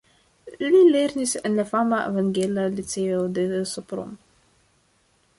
Li lernis en la fama Evangela Liceo de Sopron.